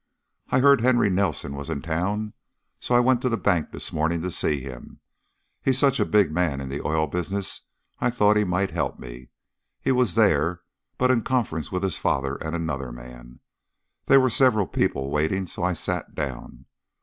"I heard Henry Nelson was in town, so I went to the bank this morning to see him. He's such a big man in the oil business I thought he might help me. He was there, but in conference with his father and another man. There were several people waiting, so I sat down.